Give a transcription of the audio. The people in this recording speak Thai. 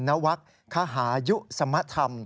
นวักคหายุสมธรรม